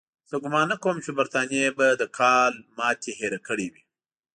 زه ګومان نه کوم چې برټانیې به د کال ماتې هېره کړې وي.